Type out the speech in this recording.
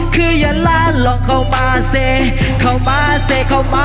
คือทุกคน